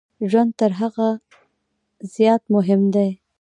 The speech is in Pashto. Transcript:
ژوند تر هغه زیات مهم دی.